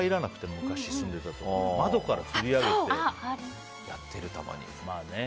昔住んでたところ窓から吊り上げてやっているよね